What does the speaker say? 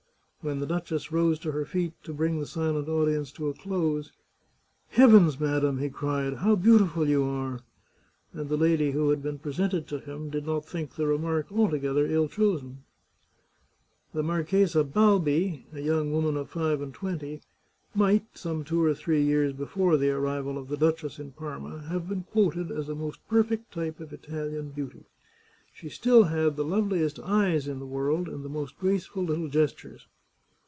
When the duchess rose to her feet to bring the silent audience to a close, " Heavens, madam," he cried, "how beautiful you are!" and the lady who had been presented to him did not think the remark altogether ill chosen. The Marchesa Balbi, a young woman of five and twenty, might, some two or three years before the arrival of the duchess in Parma, have been quoted as a most perfect type of Italian beauty. She still had the loveliest eyes in the world, and the most graceful little gestures.